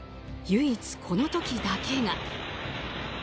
唯一、この時だけが。